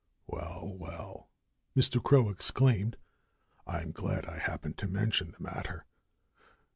"Well, well!" Mr. Crow exclaimed. "I'm glad I happened to mention the matter.